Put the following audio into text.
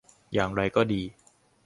อย่างไรก็ดี